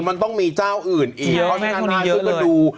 มันต้องมีเจ้าอื่นเองเพราะที่ข้างหน้าซึ่งก็ดู